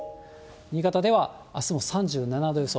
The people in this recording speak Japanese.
新潟ではあすも３７度予想。